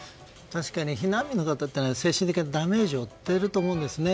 確かに避難民の方は精神的にダメージを負っていると思うんですね。